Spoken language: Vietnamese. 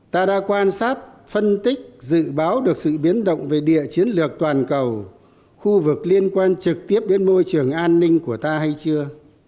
ta đã quan sát phân tích dự báo được sự biến động về địa chiến lược toàn cầu khu vực liên quan trực tiếp đến môi trường an ninh của ta hay chưa